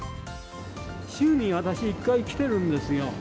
週に私、１回、来てるんですよ。